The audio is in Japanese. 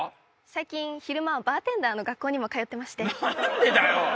最近昼間はバーテンダーの学校にも通ってまして何でだよ